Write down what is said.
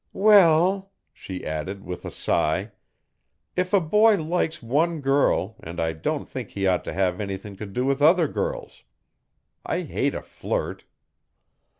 'Well,' she added, with a sigh, 'if a boy likes one girl I don't think he ought to have anything to do with other girls. I hate a flirt.'